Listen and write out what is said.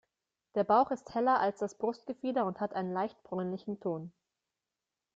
Der Bauch ist heller als das Brustgefieder und hat einen leicht bräunlichen Ton.